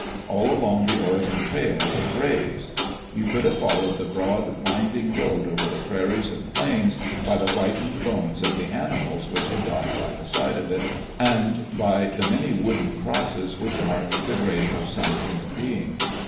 All along the Oregon trail were graves. You could have followed that broad, wind ing road over the prairies and plains by the whitened bones of the animals which had died by the side of it, and by the many wooden crosses which marked the grave of some human being.